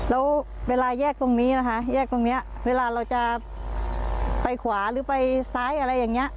แล้วเวลาแยกตรงนี้นะคะแยกตรงนี้เวลาเราจะไปขวาหรือไปซ้ายอะไรอย่างนี้